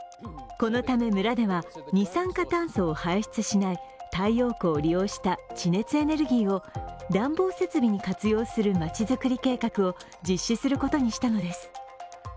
このため村では二酸化炭素を排出しない太陽光を利用した地熱エネルギーを暖房設備に活用する街づくり計画を実施することにしたのです。